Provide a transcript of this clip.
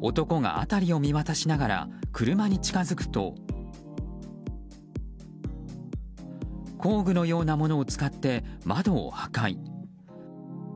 男が辺りを見渡しながら車に近づくと工具のようなものを使って窓を破壊。